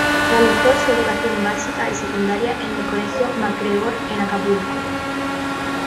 Realizó su educación básica y secundaria en el Colegio MacGregor, en Acapulco.